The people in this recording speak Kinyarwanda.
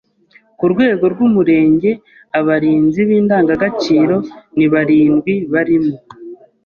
Ku rwego rw’Umurenge abarinzi b’indangagaciro ni barindwi; barimo